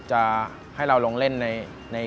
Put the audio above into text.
จะให้เราลงเล่นใน